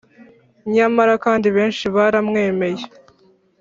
. Nyamara kandi benshi baramwemeye.